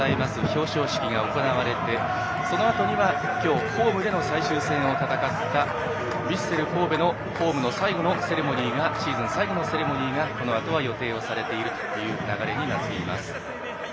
表彰式が行われてそのあとには今日ホームでの最終戦を戦ったホームのヴィッセル神戸のシーズン最後のセレモニーがこのあとは予定されているという流れになっています。